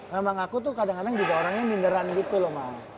memang aku tuh kadang kadang juga orangnya minderan gitu loh